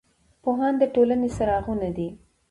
پوهان د ټولنې څراغونه دي.